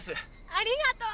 ありがとう。